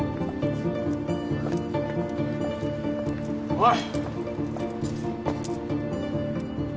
おい！